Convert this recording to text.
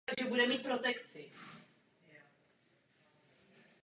Japonský tradiční oděv nemá kapsy.